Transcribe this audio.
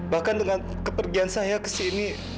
bahkan dengan kepergian saya ke sini